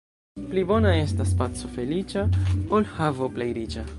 Pli bona estas paco feliĉa, ol havo plej riĉa.